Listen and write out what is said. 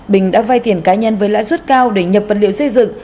bình đã vay tiền cá nhân với lãi suất cao để nhập vật liệu xây dựng